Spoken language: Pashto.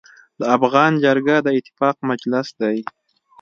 د افغان جرګه د اتفاق مجلس دی.